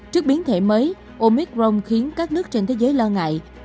trước biến thể mới omicron khiến các nước trên thế giới lo ngại